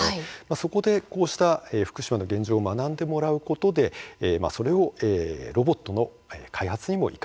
そこでこうした福島の現状を学んでもらうことでそれをロボットの開発にも生かしてもらおうということなんです。